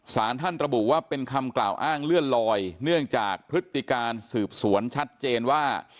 สารท่านระบุว่าเป็นคำกล่าวอ้างเลื่อนลอยเนื่องจากพฤติการสืบสวนชัดเจนว่า